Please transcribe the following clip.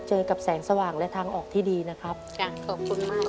เจอกับแสงสว่างและทางออกที่ดีนะครับจ้ะขอบคุณมาก